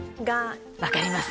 分かります